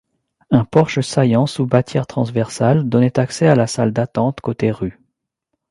Un porche saillant sous bâtière transversale donnait accès à la salle d'attente côté rue.